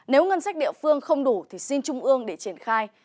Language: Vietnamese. nếu ngân sách địa phương không đủ thì xin trung ương để triển khai